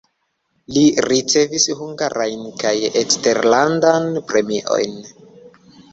Li ricevis hungarajn kaj eksterlandan premiojn.